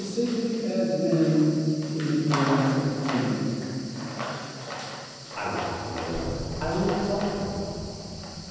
safely as men in the pro'^once of Timon. rialo. I would not lower them '• T would exalt them.